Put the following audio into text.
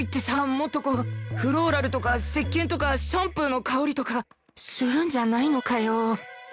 もっとこうフローラルとかせっけんとかシャンプーの香りとかするんじゃないのかよ